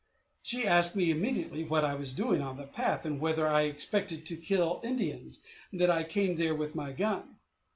She asked me immediately what I was doing on the path, and whether I expected to kill Indians, that I came there with my gun.